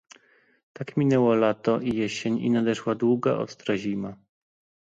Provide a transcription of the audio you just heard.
"Tak minęło lato i jesień i nadeszła długa, ostra zima."